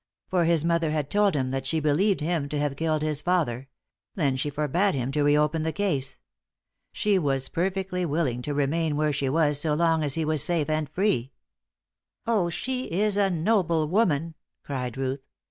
For his mother had told him that she believed him to have killed his father; then she forbade him to re open the case. She was perfectly willing to remain where she was so long as he was safe and free." "Oh, she is a noble woman!" cried Ruth.